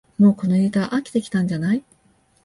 もうこのネタ飽きてきたんじゃない